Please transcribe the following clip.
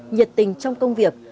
nhiệt tình trong công việc